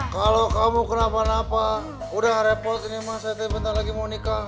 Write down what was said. kalo kamu kenapa napa udah repot ini mas bentar lagi mau nikah